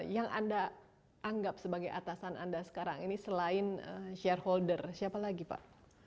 yang anda anggap sebagai atasan anda sekarang ini selain shareholder siapa lagi pak